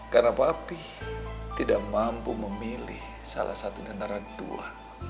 karena papi tidak mampu memilih salah satu antara dua